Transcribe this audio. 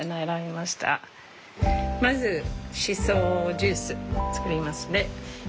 まずシソジュース作りますね。